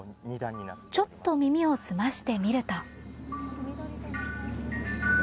ちょっと耳を澄ましてみると。